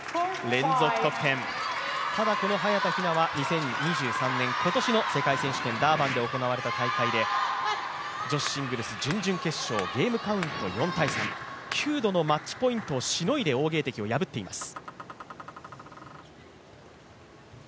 この早田ひなは２０２３年、今年の世界選手権、ダーバンで行われた大会で女子シングルス準々決勝、ゲームカウント４−３、９度のマッチポイントをしのいで、王ゲイ迪を破っています。